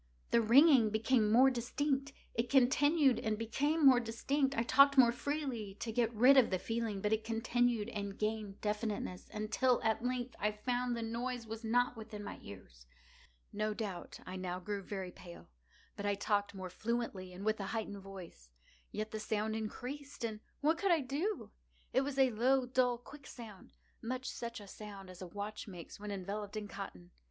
The ringing became more distinct:—it continued and became more distinct: I talked more freely to get rid of the feeling: but it continued and gained definiteness—until, at length, I found that the noise was not within my ears. No doubt I now grew very pale;—but I talked more fluently, and with a heightened voice. Yet the sound increased—and what could I do? It was a low, dull, quick sound—much such a sound as a watch makes when enveloped in cotton.